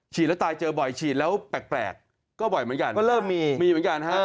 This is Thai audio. เจอกันแล้วแตกก็บ่อยใชิงแล้วแปลกก็บ่อยเหมือนกันก็เริ่มนี่เหมือนกัน